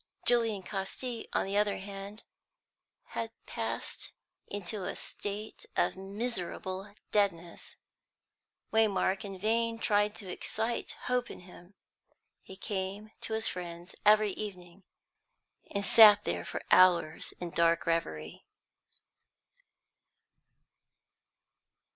Julian Casti, on the other hand, had passed into a state of miserable deadness; Waymark in vain tried to excite hope in him. He came to his friend's every evening, and sat there for hours in dark reverie.